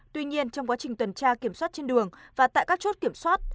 tuy nhiên trong quá trình tuần tra kiểm soát trên đường và tại các chốt kiểm soát